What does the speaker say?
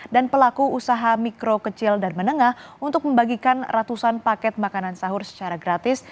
dan pelaku usaha mikro kecil dan menengah untuk membagikan ratusan paket makanan sahur secara gratis